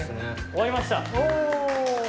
終わりました！